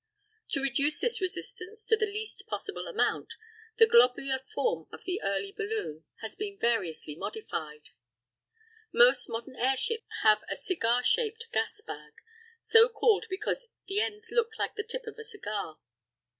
To reduce this resistance to the least possible amount, the globular form of the early balloon has been variously modified. Most modern airships have a "cigar shaped" gas bag, so called because the ends look like the tip of a cigar.